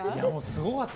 すごかった。